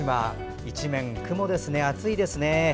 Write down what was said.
一面雲ですね、厚いですね。